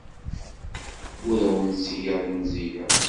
Ur awent-ttgeɣ lemzeyya.